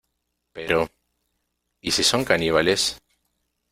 Pero... ¿ y si son caníbales? .